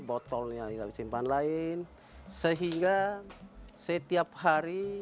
botolnya simpan lain sehingga setiap hari